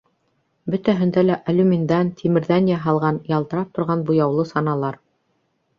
Бөтәһендә лә алюминдан, тимерҙән яһалған, ялтырап торған буяулы саналар...